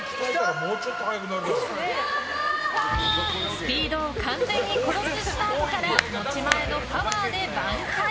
スピードを完全に殺すスタートから持ち前のパワーで挽回。